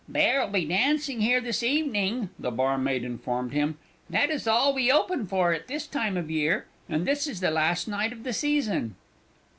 "There'll be dancing here this evening," the barmaid informed him. "That is all we open for at this time of year; and this is the last night of the season."